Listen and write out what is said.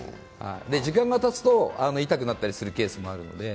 時間がたつと痛くなったりするケースもあるので。